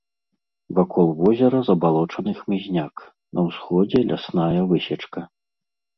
Вакол возера забалочаны хмызняк, на ўсходзе лясная высечка.